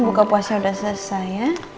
buka puasnya sudah selesai ya